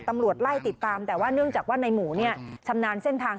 ตำรวจไล่ติดตามแต่ว่าเนื่องจากว่าในหมูเนี่ยชำนาญเส้นทาง